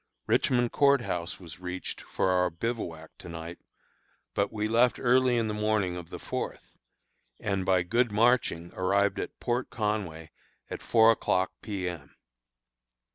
Richmond Court House was reached for our bivouac to night; but we left early in the morning of the fourth, and by good marching arrived at Port Conway at four o'clock P. M.